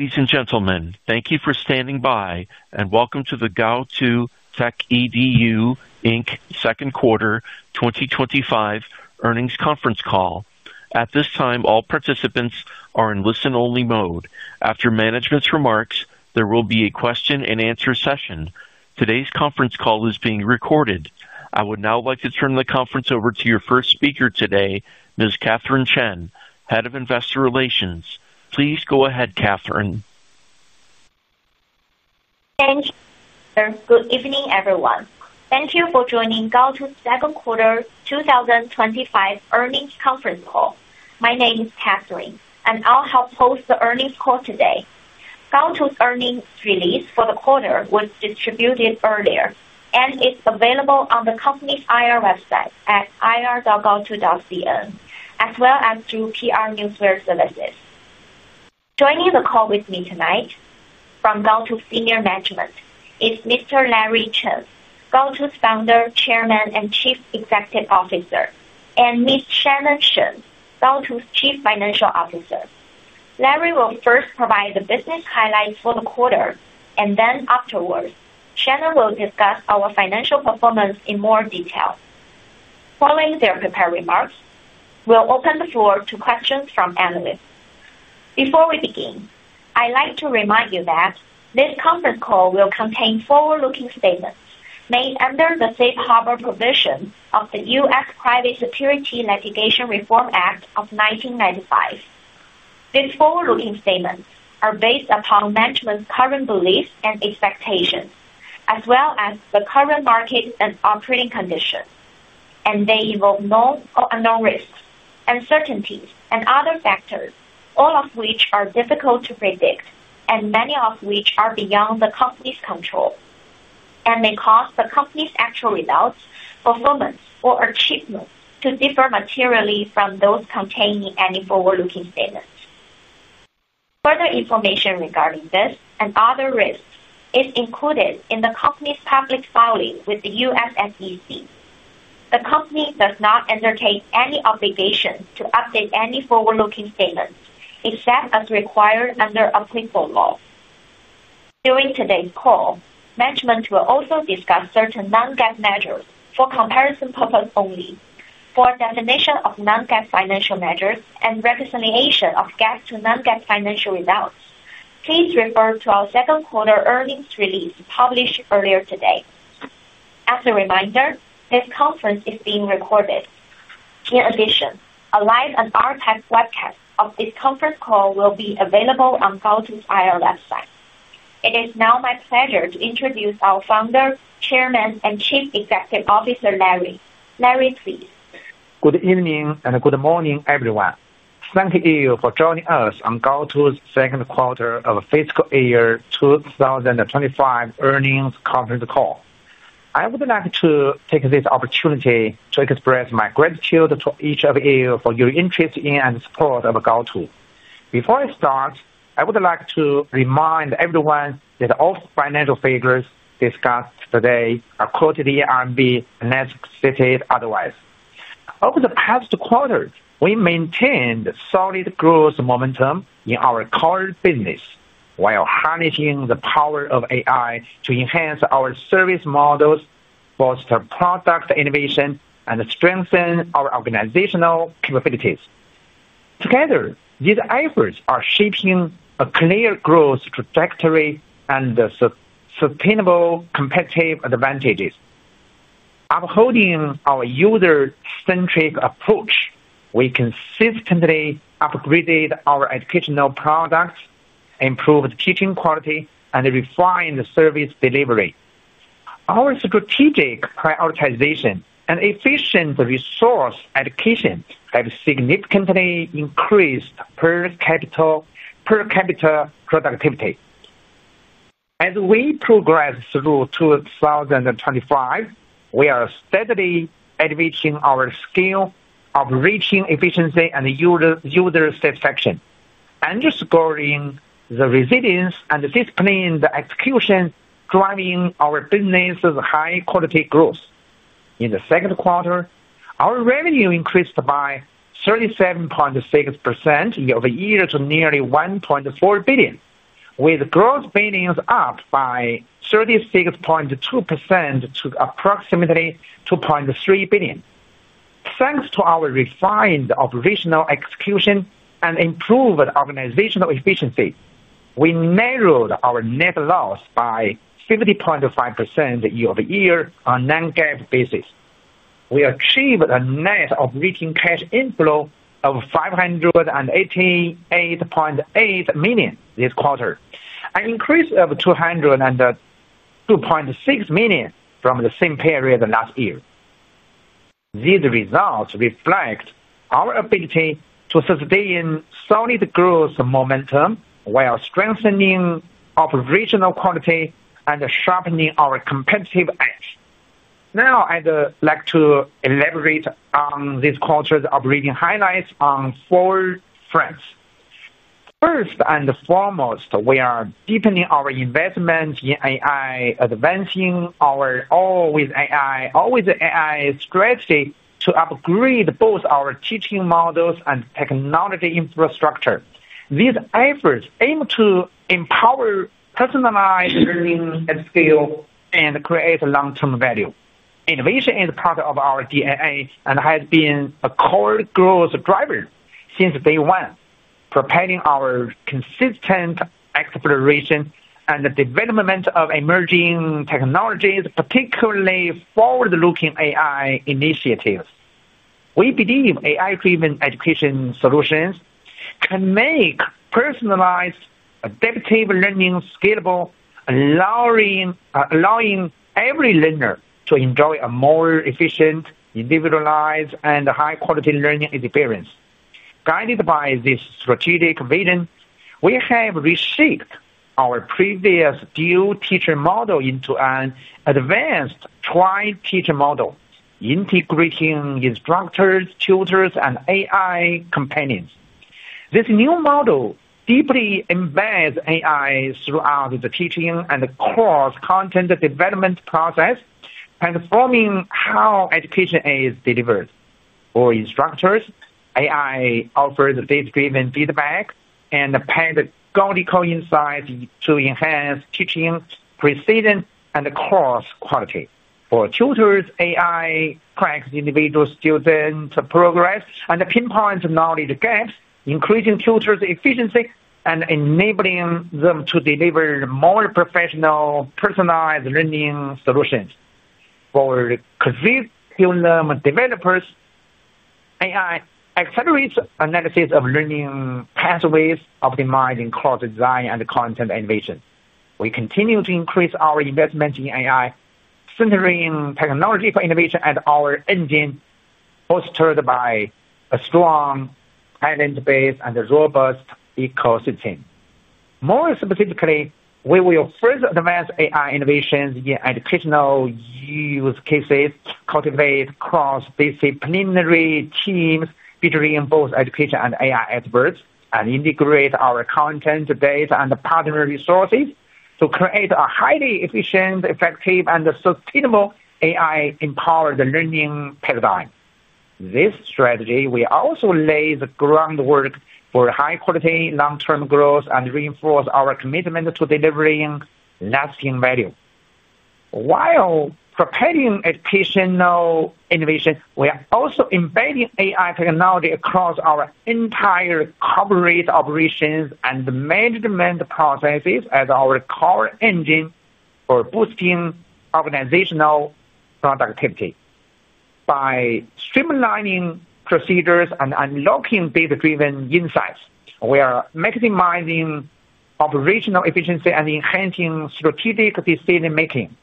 Ladies and gentlemen, thank you for standing by and welcome to the Gaotu Techedu Inc. Second Quarter 2025 Earnings Conference Call. At this time, all participants are in listen-only mode. After management's remarks, there will be a question-and-answer session. Today's conference call is being recorded. I would now like to turn the conference over to your first speaker today, Ms. Catherine Chen, Head of Investor Relations. Please go ahead, Catherine. Thank you, sir. Good evening, everyone. Thank you for joining Gaotu Techedu Inc.'s Second Quarter 2025 Earnings Conference Call. My name is Catherine Chen, and I'll help host the earnings call today. Gaotu Techedu Inc.'s earnings release for the quarter was distributed earlier, and it's available on the company's IR website at ir.gaotu.cn, as well as through PR Newsletter services. Joining the call with me tonight from Gaotu's senior management is Mr. Larry Chen, Gaotu's Founder, Chairman, and Chief Executive Officer, and Ms. Shannon Shen, Gaotu's Chief Financial Officer. Larry will first provide the business highlights for the quarter, and afterwards, Shannon will discuss our financial performance in more detail. Following their prepared remarks, we'll open the floor to questions from analysts. Before we begin, I'd like to remind you that this conference call will contain forward-looking statements made under the safe harbor provision of the U.S. Private Securities Litigation Reform Act of 1995. These forward-looking statements are based upon management's current beliefs and expectations, as well as the current market and operating conditions, and they involve known or unknown risks, uncertainties, and other factors, all of which are difficult to predict and many of which are beyond the company's control. They may cause the company's actual results, performance, or achievements to differ materially from those contained in any forward-looking statements. Further information regarding this and other risks is included in the company's public filing with the U.S. SEC. The company does not entertain any obligations to update any forward-looking statements except as required under applicable laws. During today's call, management will also discuss certain non-GAAP mesures for comparison purposes only. For a definition of non-GAAP financial measures and a reconciliation of GAAP to non-GAAP financial results, please refer to our Second Quarter Earnings Release published earlier today. As a reminder, this conference is being recorded. In addition, a live and archived webcast of this conference call will be available on Gaotu Techedu's IR website. It is now my pleasure to introduce our Founder, Chairman, and Chief Executive Officer, Larry Chen. Larry, please. Good evening and good morning, everyone. Thank you for joining us on Gaotu Techedu Inc.'s Second Quarter of Fiscal Year 2025 Earnings Conference Call. I would like to take this opportunity to express my gratitude to each of you for your interest in and support of Gaotu. Before I start, I would like to remind everyone that all financial figures discussed today are quoted in RMB, unless stated otherwise. Over the past quarter, we maintained solid growth momentum in our core business while harnessing the power of AI to enhance our service models, foster product innovation, and strengthen our organizational capabilities. Together, these efforts are shaping a clear growth trajectory and sustainable competitive advantages. Upholding our user-centric approach, we consistently upgraded our educational products, improved teaching quality, and refined service delivery. Our strategic prioritization and efficient resource allocation have significantly increased per capita productivity. As we progress through 2025, we are steadily elevating our scale of reaching efficiency and user satisfaction, underscoring the resilience and disciplined execution driving our business's high-quality growth. In the second quarter, our revenue increased by 37.6% year-over-year to nearly 1.4 billion, with growth ballooning up by 36.2% to approximately 2.3 billion. Thanks to our refined operational execution and improved organizational efficiency, we narrowed our net loss by 50.5% year-over-year on a non-GAAP basis. We achieved a net operating cash inflow of 588.8 million this quarter, an increase of 202.6 million from the same period last year. These results reflect our ability to sustain solid growth momentum while strengthening operational quality and sharpening our competitive edge. Now, I'd like to elaborate on this quarter's operating highlights on four fronts. First and foremost, we are deepening our investment in AI, advancing our "All with AI, All with AI" strategy to upgrade both our teaching models and technology infrastructure. These efforts aim to empower personalized learning at scale and create long-term value. Innovation is part of our DNA and has been a core growth driver since day one, propelling our consistent exploration and development of emerging technologies, particularly forward-looking AI initiatives. We believe AI-driven education solutions can make personalized, adaptive learning scalable, allowing every learner to enjoy a more efficient, individualized, and high-quality learning experience. Guided by this strategic vision, we have reshaped our previous dual-teacher model into an advanced tri-teacher model, integrating instructors, tutors, and AI companions. This new model deeply embeds AI throughout the teaching and core content development process, transforming how education is delivered. For instructors, AI offers data-driven feedback and pedagogical insights to enhance teaching precision and course quality. For tutors, AI tracks individual students' progress and pinpoints knowledge gaps, increasing tutors' efficiency and enabling them to deliver more professional, personalized learning solutions. For curriculum developers, AI accelerates analysis of learning pathways, optimizing course design and content innovation. We continue to increase our investment in AI, centering technology for innovation as our engine, fostered by a strong talent base and a robust ecosystem. More specifically, we will first advance AI innovations in educational use cases, cultivate cross-disciplinary teams featuring both education and AI experts, and integrate our content, data, and partner resources to create a highly efficient, effective, and sustainable AI-empowered learning paradigm. This strategy will also lay the groundwork for high-quality, long-term growth and reinforce our commitment to delivering lasting value. While propelling educational innovation, we are also embedding AI technology across our entire corporate operations and management processes as our core engine for boosting organizational productivity. By streamlining procedures and unlocking data-driven insights, we are maximizing operational efficiency and enhancing strategic decision-making.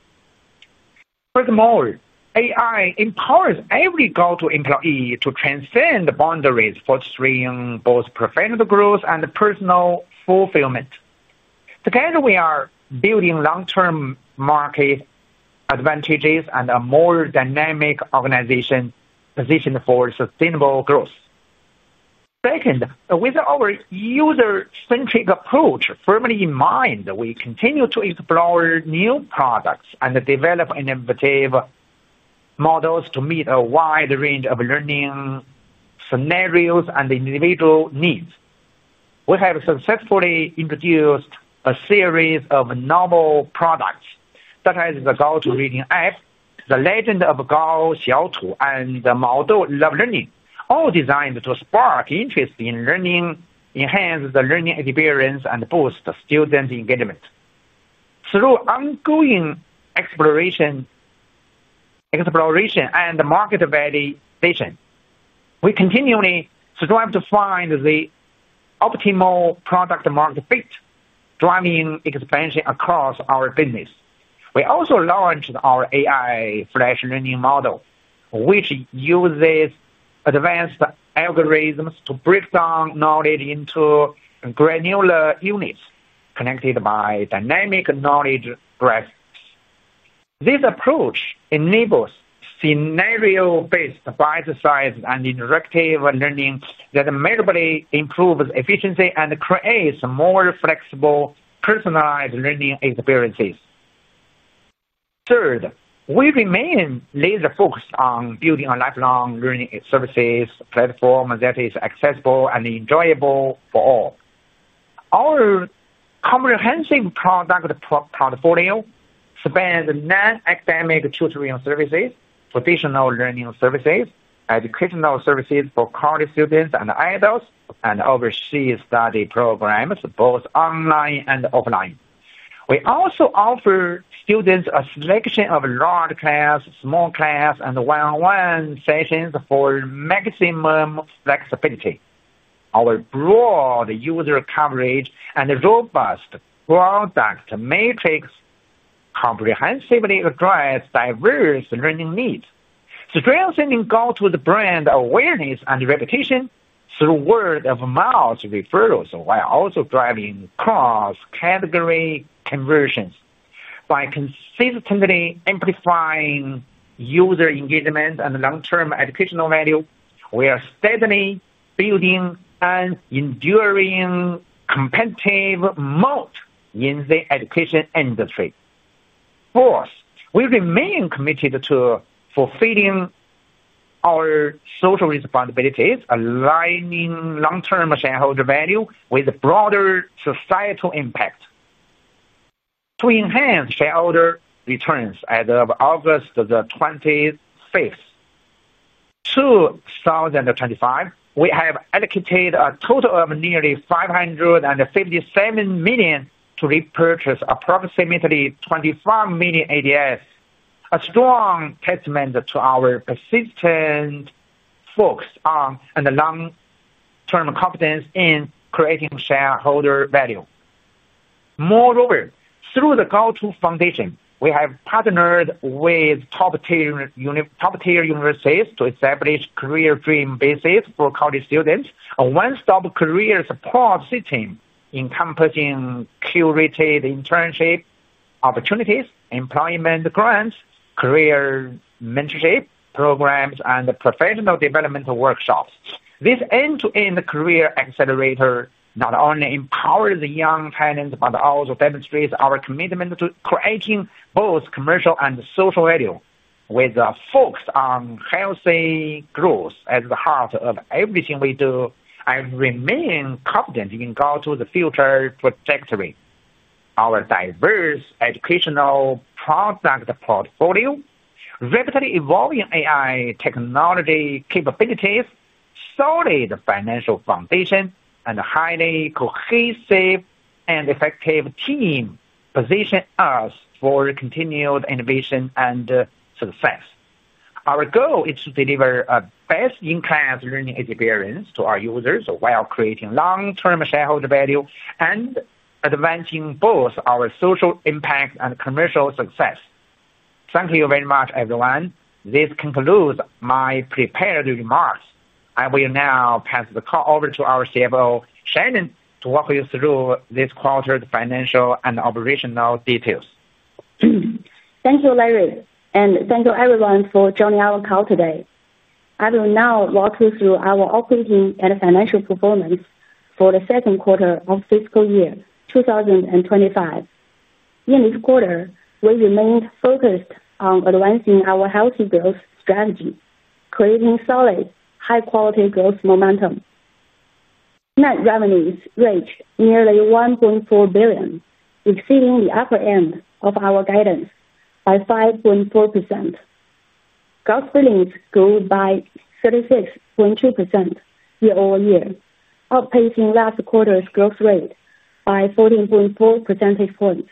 Furthermore, AI empowers every Gaotu employee to transcend boundaries, fostering both professional growth and personal fulfillment. Together, we are building long-term market advantages and a more dynamic organization positioned for sustainable growth. Second, with our user-centric approach firmly in mind, we continue to explore new products and develop innovative models to meet a wide range of learning scenarios and individual needs. We have successfully introduced a series of novel products, such as the Gaotu Reading App, the Legend of Gao Xiaotu, and the Model of Learning, all designed to spark interest in learning, enhance the learning experience, and boost student engagement. Through ongoing exploration and market valuation, we continually strive to find the optimal product-market fit, driving expansion across our business. We also launched our AI Flash Learning model, which uses advanced algorithms to break down knowledge into granular units connected by dynamic knowledge graphs. This approach enables scenario-based, bite-sized, and interactive learning that measurably improves efficiency and creates more flexible, personalized learning experiences. Third, we remain laser-focused on building a lifelong learning services platform that is accessible and enjoyable for all. Our comprehensive product portfolio spans non-academic children services, traditional learning services, educational services for college students and adults, and overseas study programs, both online and offline. We also offer students a selection of large class, small class, and one-on-one sessions for maximum flexibility. Our broad user coverage and robust product matrix comprehensively address diverse learning needs, strengthening Gaotu's brand awareness and reputation through word-of-mouth referrals, while also driving cross-category conversions. By consistently amplifying user engagement and long-term educational value, we are steadily building an enduring competitive moat in the education industry. Fourth, we remain committed to fulfilling our social responsibilities, aligning long-term shareholder value with broader societal impact. To enhance shareholder returns, as of August 25th, 2025, we have allocated a total of nearly 557 million to repurchase approximately 25 million ADS. This is a strong testament to our persistent focus on long-term confidence in creating shareholder value. Moreover, through the Gaotu Foundation, we have partnered with top-tier universities to establish career dream bases for college students, a one-stop career support system, encompassing curated internship opportunities, employment grants, career mentorship programs, and professional development workshops. This end-to-end career accelerator not only empowers young talents but also demonstrates our commitment to creating both commercial and social value. With a focus on healthy growth as the heart of everything we do, I remain confident in Gaotu's future trajectory. Our diverse educational product portfolio, rapidly evolving AI technology capabilities, solid financial foundation, and a highly cohesive and effective team position us for continued innovation and success. Our goal is to deliver a best-in-class learning experience to our users while creating long-term shareholder value and advancing both our social impact and commercial success. Thank you very much, everyone. This concludes my prepared remarks. I will now pass the call over to our CFO, Shannon, to walk you through this quarter's financial and operational details. Thank you, Larry, and thank you, everyone, for joining our call today. I will now walk you through our operating and financial performance for the second quarter of fiscal year 2025. In this quarter, we remained focused on advancing our healthy growth strategy, creating solid, high-quality growth momentum. Net revenues reached nearly 1.4 billion, exceeding the upper end of our guidance by 5.4%. Growth spendings grew by 36.2% year-over-year, outpacing last quarter's growth rate by 14.4 percentage points.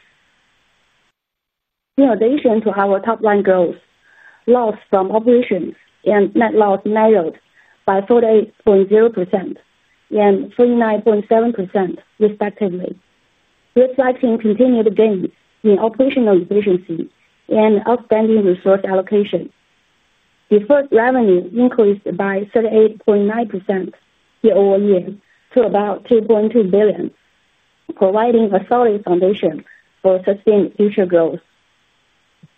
In addition to our top-line growth, loss from operations and net loss narrowed by 48.0% and 39.7%, respectively, reflecting continued gain in operational efficiency and outstanding resource allocation. Deferred revenue increased by 38.9% year-over-year to about 2.2 billion, providing a solid foundation for sustained future growth.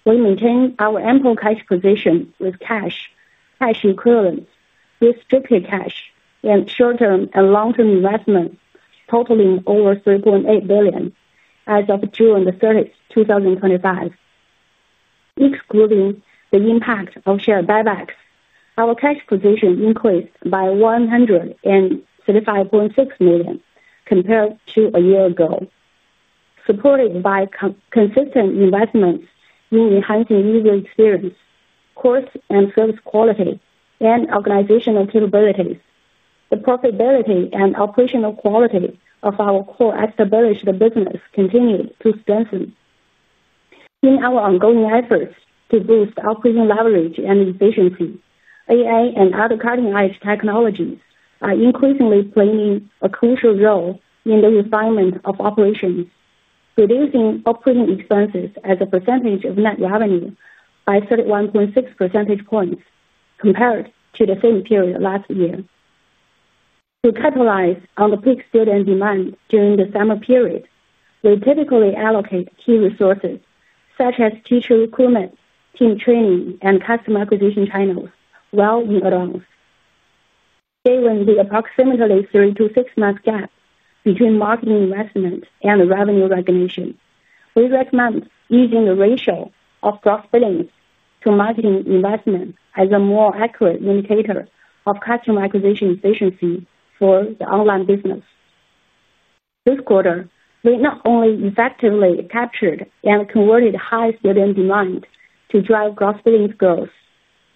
We maintained our ample cash position with cash equivalents, restricted cash, and short-term and long-term investments, totaling over 3.8 billion as of June 30, 2025. Excluding the impact of share repurchase program, our cash position increased by 135.6 million compared to a year ago, supported by consistent investments in enhancing user experience, course and service quality, and organizational capabilities. The profitability and operational quality of our core established business continued to strengthen. In our ongoing efforts to boost operating leverage and efficiency, AI and other cutting-edge technologies are increasingly playing a crucial role in the refinement of operations, reducing operating expenses as a percentage of net revenue by 31.6 percentage points compared to the same period last year. To capitalize on the peak student demand during the summer period, we typically allocate key resources, such as teacher recruitment, team training, and customer acquisition channels, well in advance. Given the approximately three to six-month gap between marketing investment and revenue recognition, we recommend using the ratio of growth spending to marketing investment as a more accurate indicator of customer acquisition efficiency for the online business. This quarter, we not only effectively captured and converted high student demand to drive growth spending growth,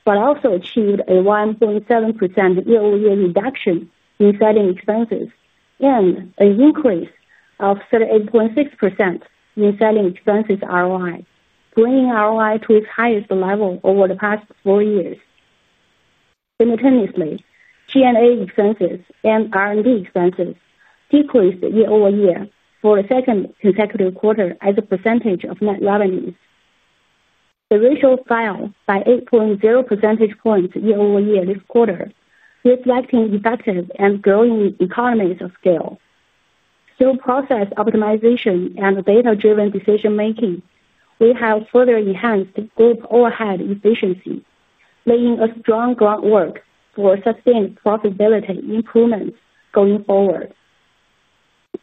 but also achieved a 1.7% year-over-year reduction in selling expenses and an increase of 38.6% in selling expenses ROI, bringing ROI to its highest level over the past four years. Simultaneously, G&A expenses and R&D expenses decreased year-over-year for the second consecutive quarter as a percentage of net revenues. The ratio fell by 8.0% year-over-year this quarter, reflecting effective and growing economies of scale. Through process optimization and data-driven decision-making, we have further enhanced group overhead efficiency, laying a strong groundwork for sustained profitability improvements going forward.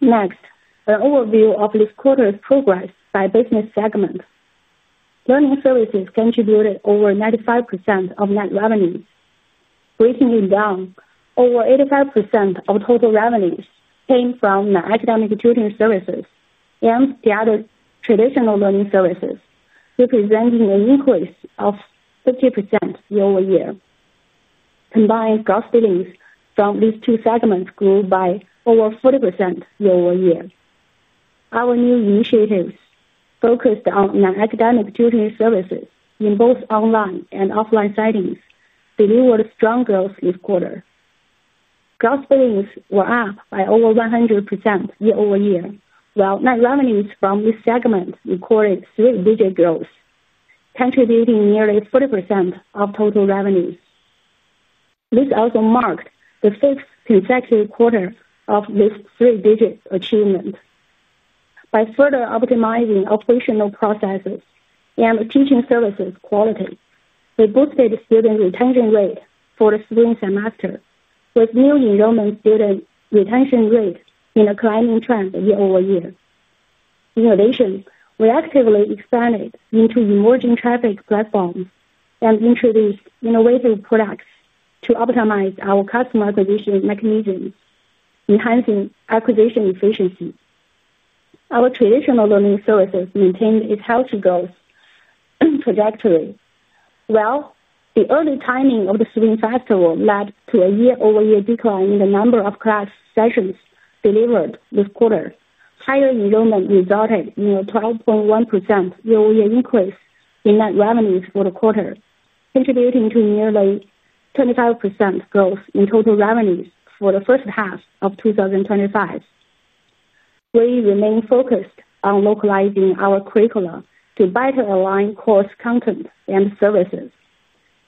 Next, an overview of this quarter's progress by business segment. Learning services contributed over 95% of net revenue. Breaking it down, over 85% of total revenues came from non-academic tutoring services and the other traditional learning services, representing an increase of 50% year-over-year. Combined growth spendings from these two segments grew by over 40% year-over-year. Our new initiatives focused on non-academic tutoring services in both online and offline settings delivered strong growth this quarter. Growth spendings were up by over 100% year-over-year, while net revenues from this segment recorded three-digit growth, contributing nearly 40% of total revenue. This also marked the fifth consecutive quarter of this three-digit achievement. By further optimizing operational processes and teaching services quality, we boosted student retention rate for the spring semester, with new enrollment student retention rates in a climbing trend year-over-year. In addition, we actively expanded into emerging traffic platforms and introduced innovative products to optimize our customer acquisition mechanism, enhancing acquisition efficiency. Our traditional learning services maintained its healthy growth trajectory. While the early timing of the spring festival led to a year-over-year decline in the number of class sessions delivered this quarter, higher enrollment resulted in a 12.1% year-over-year increase in net revenues for the quarter, contributing to nearly 25% growth in total revenues for the first half of 2025. We remain focused on localizing our curricula to better align course content and services,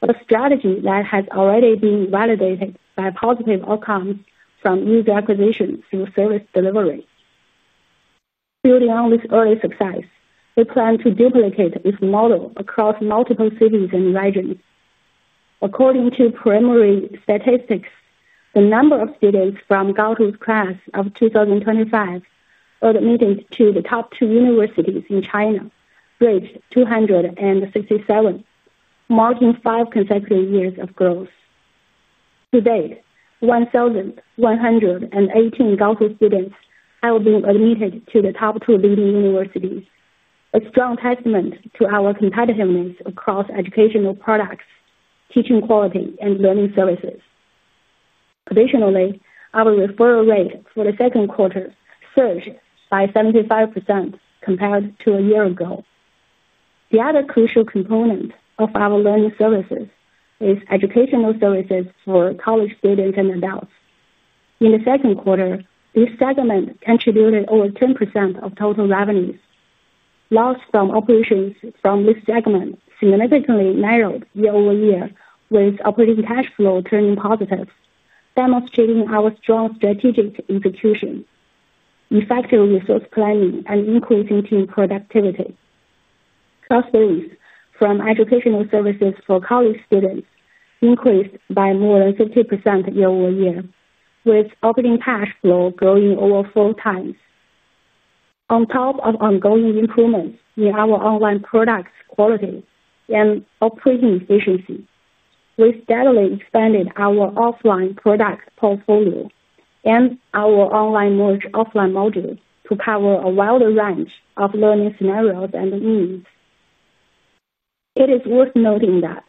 a strategy that has already been validated by positive outcomes from user acquisition through service delivery. Building on this early success, we plan to duplicate this model across multiple cities and regions. According to preliminary statistics, the number of students from Gaotu's class of 2025 admitted to the top two universities in China reached 267, marking five consecutive years of growth. To date, 1,118 Gaotu students have been admitted to the top two leading universities, a strong testament to our competitiveness across educational products, teaching quality, and learning services. Additionally, our referral rate for the second quarter surged by 75% compared to a year ago. The other crucial component of our learning services is educational services for college students and adults. In the second quarter, this segment contributed over 10% of total revenues. Loss from operations from this segment significantly narrowed year-over-year, with operating cash flow turning positive, demonstrating our strong strategic execution, effective resource planning, and increasing team productivity. Growth rates from educational services for college students increased by more than 50% year-over-year, with operating cash flow growing over 4x. On top of ongoing improvements in our online products' quality and operating efficiency, we steadily expanded our offline product portfolio and our online module to cover a wider range of learning scenarios and needs. It is worth noting that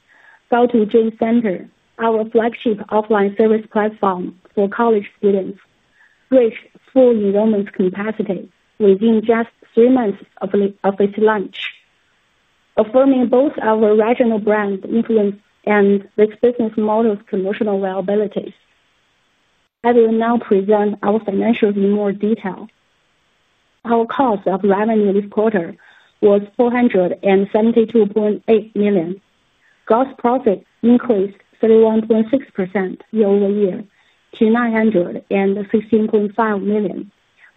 Gaotu Jing Center, our flagship offline service platform for college students, reached full enrollment capacity within just three months of its launch, affirming both our regional brand influence and this business model's commercial viability. I will now present our financials in more detail. Our cost of revenue this quarter was 472.8 million. Gross profit increased 31.6% year-over-year to 915.5 million,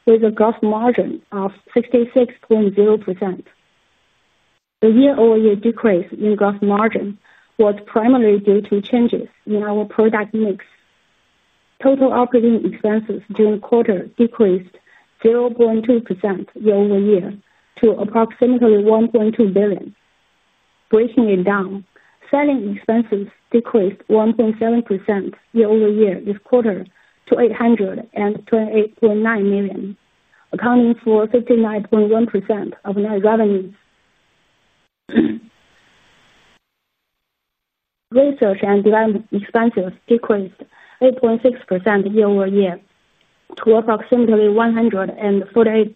with a gross margin of 66.0%. The year-over-year decrease in gross margin was primarily due to changes in our product mix. Total operating expenses during the quarter decreased 0.2% year-over-year to approximately 1.2 billion. Breaking it down, selling expenses decreased 1.7% year-over-year this quarter to 828.9 million, accounting for 59.1% of net revenues. Research and design expenses decreased 8.6% year-over-year to approximately 148.2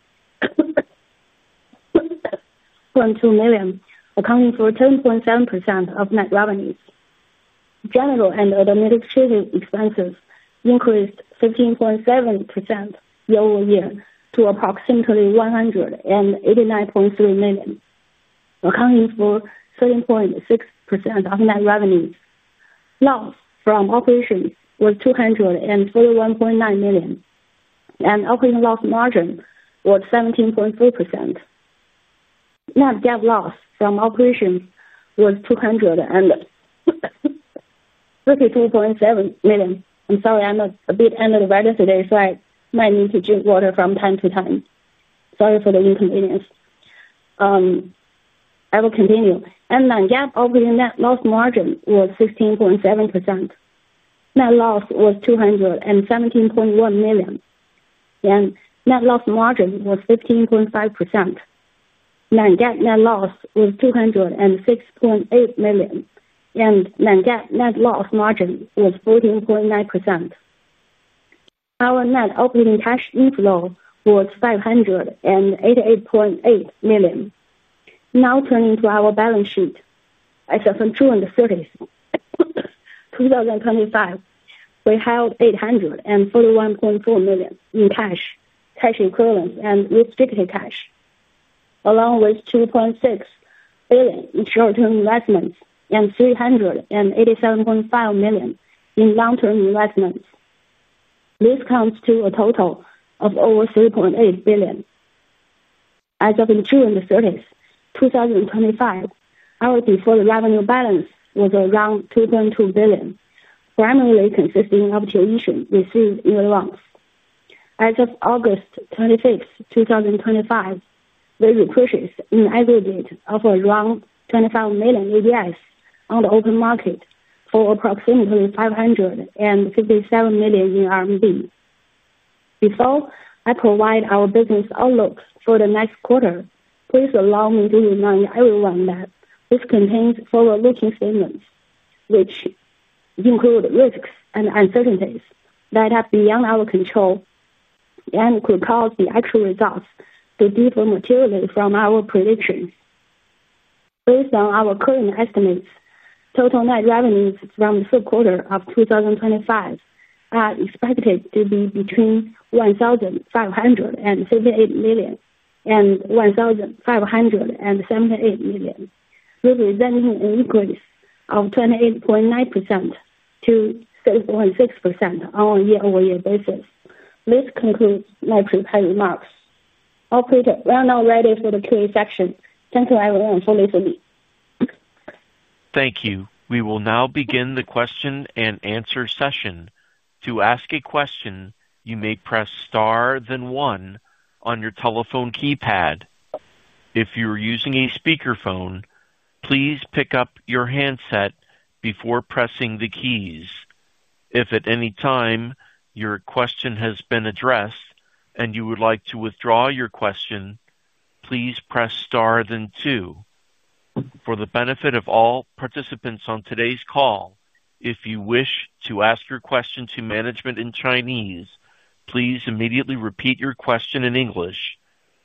million, accounting for 10.7% of net revenues. General and administrative expenses increased 15.7% year-over-year to approximately 189.3 million, accounting for 30.6% of net revenues. Loss from operations was 221.9 million, and operating loss margin was 17.3%. Net GAAP loss from operations was 232.7 million. I'm sorry, I'm a bit under the weather today, so I might need to drink water from time to time. Sorry for the inconvenience. I will continue. Non-GAAP operating net loss margin was 16.7%. Net loss was 217.1 million, and net loss margin was 15.5%. Non-GAAP net loss was 206.8 million, and non-GAAP net loss margin was 14.9%. Our net operating cash inflow was 588.8 million. Now turning to our balance sheet as of June 30, 2025, we held 841.4 million in cash, cash equivalents, and restricted cash, along with 2.6 billion in short-term investments and 387.5 million in long-term investments. This comes to a total of over 3.8 billion. As of June 30, 2025, our deferred revenue balance was around 2.2 billion, primarily consisting of tuition received, year-over-year. As of August 26, 2025, we repurchased in aggregate around 25 million ADS on the open market for approximately 557 million RMB. Before I provide our business outlook for the next quarter, please allow me to remind everyone that this contains forward-looking statements, which include risks and uncertainties that are beyond our control and could cause the actual results to differ materially from our predictions. Based on our current estimates, total net revenues for the third quarter of 2025 are expected to be between 1,578 million and 1,578 million, representing an increase of 28.9% to 6.6% on a year-over-year basis. This concludes my prepared remarks. Operator, we are now ready for the Q&A section. Thank you, everyone, for listening. Thank you. Thank you. We will now begin the question-and-answer session. To ask a question, you may press * then 1 on your telephone keypad. If you are using a speakerphone, please pick up your handset before pressing the keys. If at any time your question has been addressed and you would like to withdraw your question, please press * then 2. For the benefit of all participants on today's call, if you wish to ask your question to management in Chinese, please immediately repeat your question in English.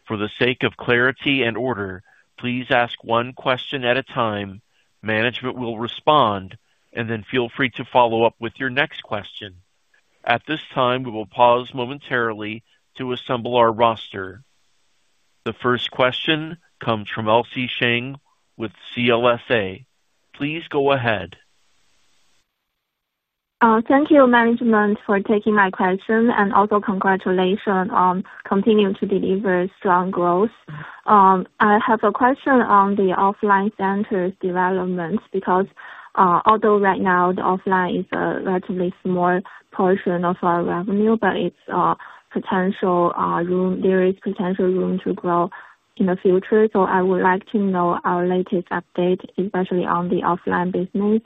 For the sake of clarity and order, please ask one question at a time. Management will respond, and then feel free to follow up with your next question. At this time, we will pause momentarily to assemble our roster. The first question comes from Elsie Sheng with CLSA. Please go ahead. Thank you, management, for taking my question and also congratulations on continuing to deliver strong growth. I have a question on the offline center's development because, although right now the offline is a relatively small portion of our revenue, there is potential room to grow in the future. I would like to know our latest update, especially on the offline business.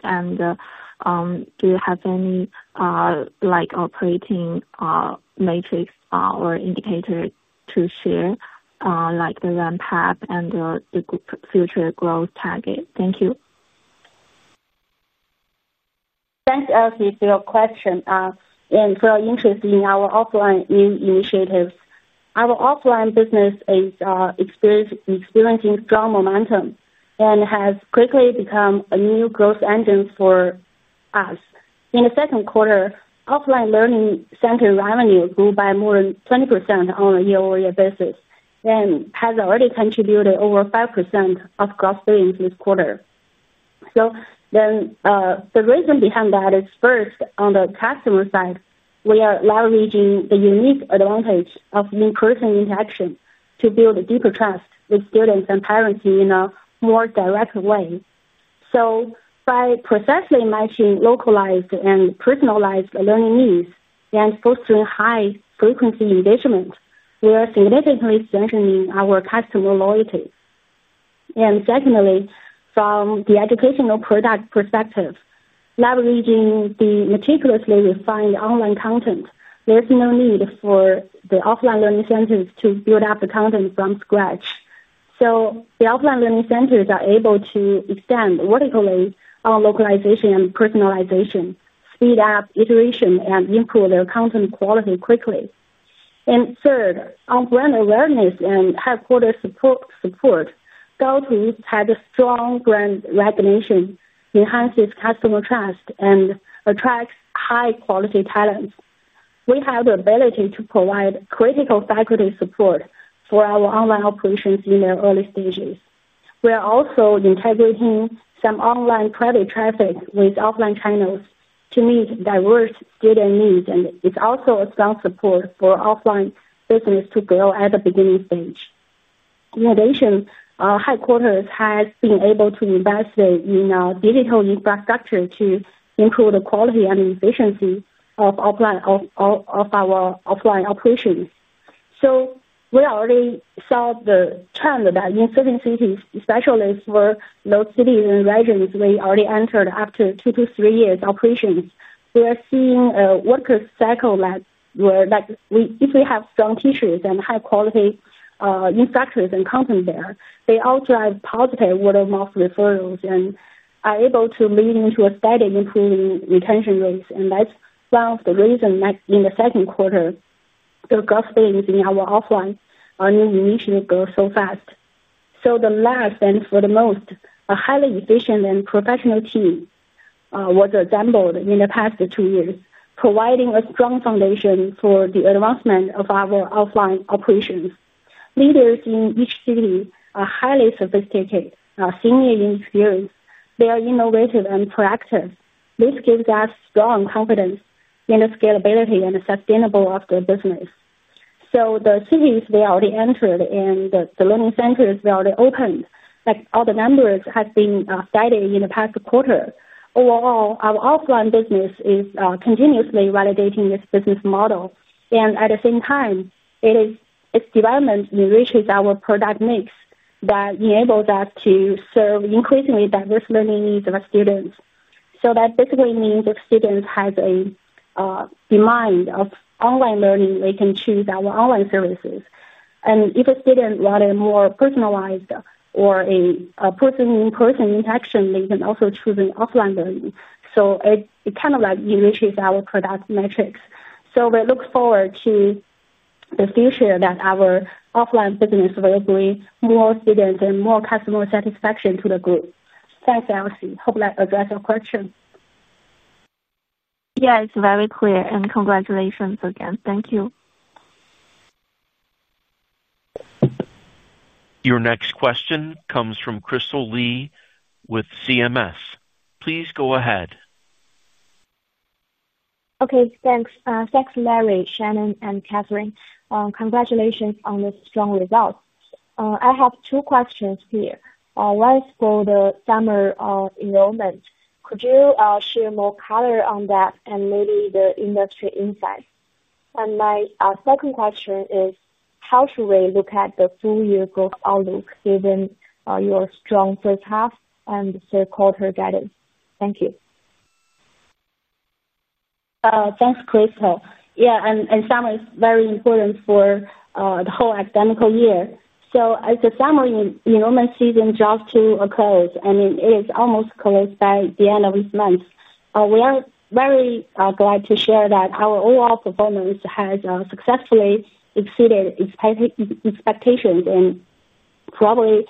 Do you have any operating metrics or indicators to share, like the ramp up and the future growth target? Thank you. Thanks, Elsie, for your question and for your interest in our offline initiatives. Our offline business is experiencing strong momentum and has quickly become a new growth engine for us. In the second quarter, offline learning center revenue grew by more than 20% on a year-over-year basis and has already contributed over 5% of growth spending this quarter. The reason behind that is, first, on the customer side, we are leveraging the unique advantage of in-person interaction to build deeper trust with students and parents in a more direct way. By precisely matching localized and personalized learning needs and fostering high-frequency engagement, we are significantly strengthening our customer loyalty. Secondly, from the educational product perspective, leveraging the meticulously refined online content, there's no need for the offline learning centers to build up the content from scratch. The offline learning centers are able to extend vertically on localization and personalization, speed up iteration, and improve their content quality quickly. Third, on brand awareness and headquarter support, Gaotu has a strong brand recognition, enhances customer trust, and attracts high-quality talents. We have the ability to provide critical faculty support for our online operations in their early stages. We are also integrating some online credit traffic with offline channels to meet diverse student needs, and it's also a strong support for offline business to grow at the beginning stage. In addition, our headquarters has been able to invest in our digital infrastructure to improve the quality and efficiency of our offline operations. We already saw the trend that in certain cities, especially for low-city regions, we already entered after two to three years' operations. We are seeing a worker cycle that, if we have strong teachers and high-quality instructors and content there, they all drive positive word-of-mouth referrals and are able to lead into steadily improving retention rates. That's one of the reasons that in the second quarter, the growth spend in our offline learning initially grew so fast. The last and foremost, a highly efficient and professional team was assembled in the past two years, providing a strong foundation for the advancement of our offline operations. Leaders in each city are highly sophisticated, senior in experience. They are innovative and proactive. This gives us strong confidence in the scalability and sustainable offline business. The cities we already entered and the learning centers we already opened, all the numbers have been steady in the past quarter. Overall, our offline business is continuously validating this business model. At the same time, its development enriches our product mix that enables us to serve increasingly diverse learning needs of our students. That basically means if students have a demand for online learning, they can choose our online services. If a student wanted more personalized or a person-to-person interaction, they can also choose offline learning. It kind of enriches our product metrics. We look forward to the future that our offline business will bring more students and more customer satisfaction to the group. Thanks, Elsie. Hope that addressed your question. Yeah, it's very clear, and congratulations again. Thank you. Your next question comes from Crystal Li with CMS. Please go ahead. Okay, thanks. Thanks, Larry, Shannon, and Catherine. Congratulations on this strong result. I have two questions here. One is for the summer enrollment. Could you share more color on that and maybe the industry insight? My second question is, how should we look at the full-year growth outlook given your strong first half and third quarter guidance? Thank you. Thanks, Crystal. Yeah, summer is very important for the whole academic year. As the summer enrollment season draws to a close, and it is almost close by the end of this month, we are very glad to share that our overall performance has successfully exceeded expectations. You can probably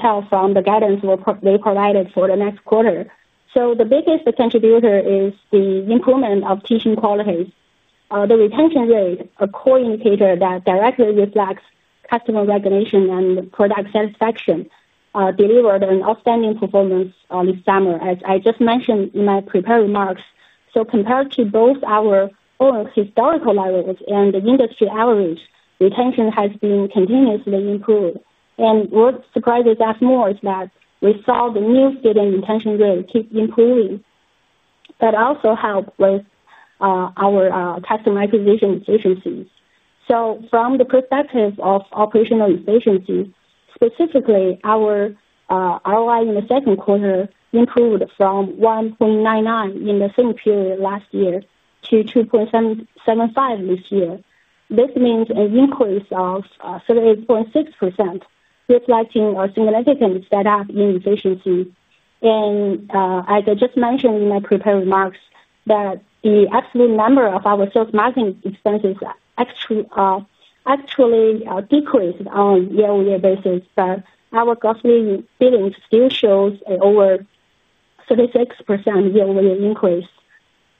tell from the guidance provided for the next quarter. The biggest contributor is the improvement of teaching quality. The retention rate, a core indicator that directly reflects customer recognition and product satisfaction, delivered an outstanding performance this summer, as I just mentioned in my prepared remarks. Compared to both our own historical leverage and the industry average, retention has been continuously improved. What surprises us more is that we saw the new student retention rate keep improving. That also helps with our customer acquisition efficiencies. From the perspective of operational efficiency, specifically, our ROI in the second quarter improved from 1.99 in the same period last year to 2.775 this year. This means an increase of 38.6%, reflecting a significant step up in efficiency. As I just mentioned in my prepared remarks, the absolute number of our sales marketing expenses actually decreased on a year-over-year basis, but our Gaotu bidding still shows an over 36% year-over-year increase.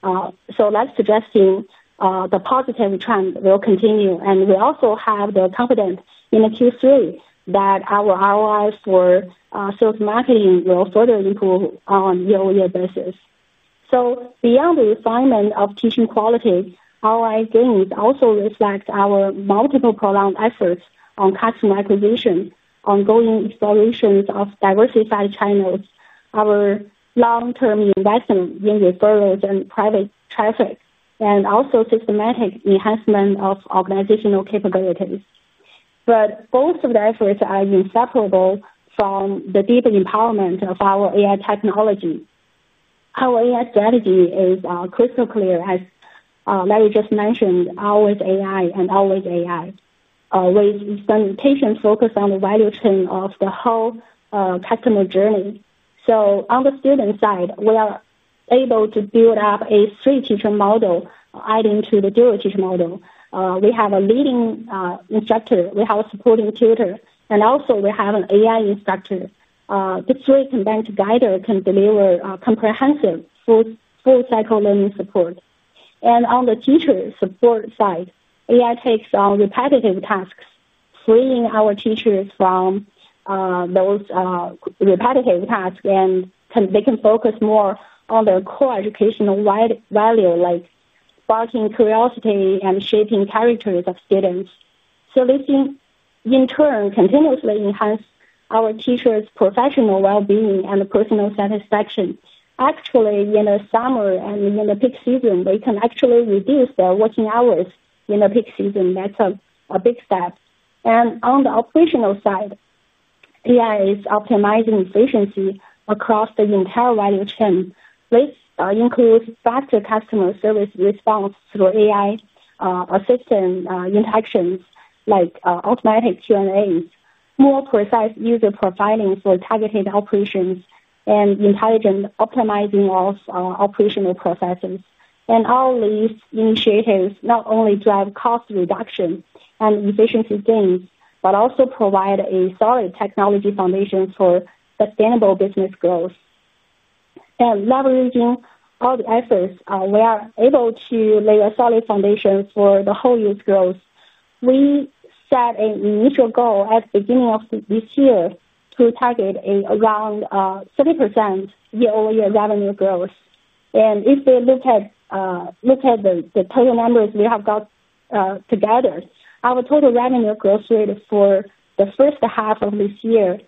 That suggests the positive trend will continue. We also have the confidence in Q3 that our ROI for sales marketing will further improve on a year-over-year basis. Beyond the refinement of teaching quality, ROI gains also reflect our multiple prolonged efforts on customer acquisition, ongoing explorations of diversified channels, our long-term investment in referrals and private traffic, and also systematic enhancement of organizational capabilities. Both of the efforts are inseparable from the deep empowerment of our AI technology. Our AI strategy is crystal clear, as Larry just mentioned, Always AI and Always AI, with its orientation focused on the value chain of the whole customer journey. On the student side, we are able to build up a tri-teacher model, adding to the dual-teacher model. We have a leading instructor, we have a supporting tutor, and also we have an AI companion. The three combined together can deliver comprehensive full-cycle learning support. On the teacher support side, AI takes on repetitive tasks, freeing our teachers from those repetitive tasks, and they can focus more on their core educational value, like sparking curiosity and shaping characters of students. In turn, this continuously enhances our teachers' professional well-being and personal satisfaction. Actually, in the summer and in the peak season, they can actually reduce their working hours in the peak season. That's a big step. On the operational side, AI is optimizing efficiency across the entire value chain. This includes faster customer service response through AI-assisted interactions, like automatic Q&As, more precise user profiling for targeted operations, and intelligent optimizing of operational processes. All these initiatives not only drive cost reduction and efficiency gain, but also provide a solid technology foundation for sustainable business growth. Leveraging all the efforts, we are able to lay a solid foundation for the whole year's growth. We set an initial goal at the beginning of this year to target around 30% year-over-year revenue growth. If we look at the total numbers we have got together, our total revenue growth rate for the first half of this year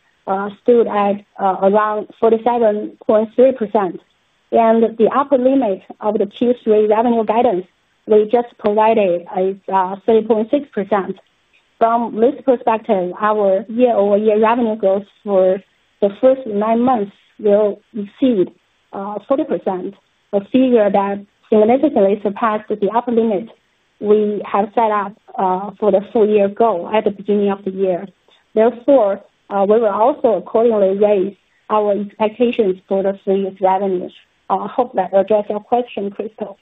stood at around 47.3%. The upper limit of the Q3 revenue guidance we just provided is 3.6%. From this perspective, our year-over-year revenue growth for the first nine months will exceed 40%, a figure that significantly surpassed the upper limit we have set up for the full-year goal at the beginning of the year. Therefore, we will also accordingly raise our expectations for the three-year revenues. I hope that addressed your question, Crystal.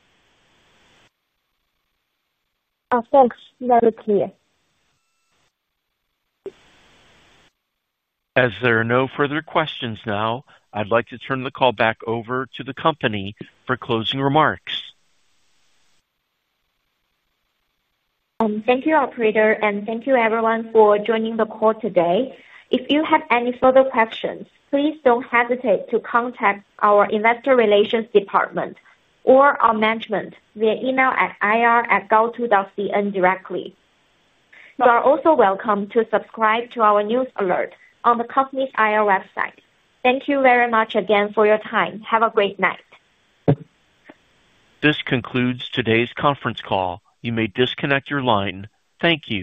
Oh, thanks. Very clear. As there are no further questions now, I'd like to turn the call back over to the company for closing remarks. Thank you, operator, and thank you, everyone, for joining the call today. If you have any further questions, please don't hesitate to contact our Investor Relations Department or our management via email at ir@gaotu.cn directly. You are also welcome to subscribe to our news alert on the company's IR website. Thank you very much again for your time. Have a great night. This concludes today's conference call. You may disconnect your line. Thank you.